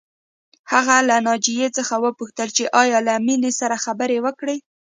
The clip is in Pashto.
هغه له ناجیې څخه وپوښتل چې ایا له مينې سره خبرې وکړې